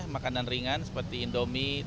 makanan ringan seperti indomie